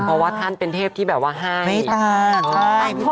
เพราะว่าท่านเป็นเทพที่แบบว่าให้เมตตา